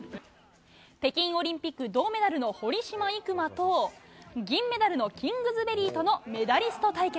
北京オリンピック銅メダルの堀島行真と、銀メダルのキングズベリーとのメダリスト対決。